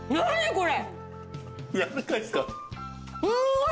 これ。